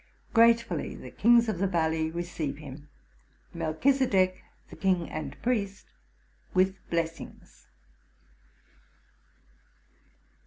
Gratefully the kings of the valley receive him; Melchisedek, the king and priest, with blessings.